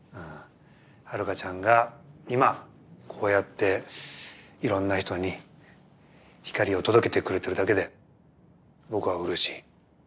ハルカちゃんが今こうやっていろんな人に光を届けてくれてるだけで僕はうれしい。